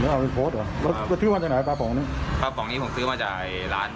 คือที่ว่าจะไหนบ่คลับผ่องอันนี้บ่คลับผ่องนี้ผมซื้อมาจากร้าน